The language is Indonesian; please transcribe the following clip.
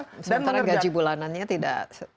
sementara gaji bulanannya tidak